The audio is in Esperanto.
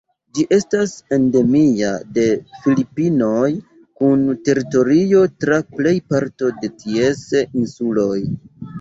Ĝi estas endemia de Filipinoj, kun teritorio tra plej parto de ties insuloj.